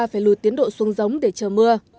phải lùi tiến độ xuống giống để chờ mưa